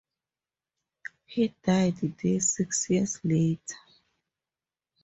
He died there six years later.